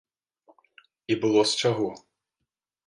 І было з чаго.